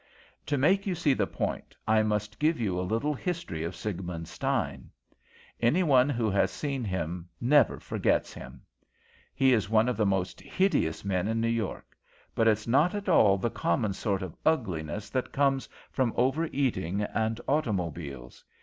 "To make you see the point, I must give you a little history of Siegmund Stein. Any one who has seen him never forgets him. He is one of the most hideous men in New York, but it's not at all the common sort of ugliness that comes from over eating and automobiles.